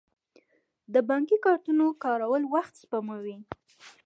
د بانکي کارتونو کارول وخت سپموي.